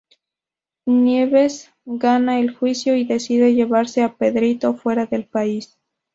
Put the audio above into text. Nieves gana el juicio y decide llevarse a Pedrito fuera del país.